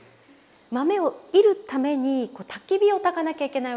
豆を煎るためにたき火をたかなきゃいけないわけですよね。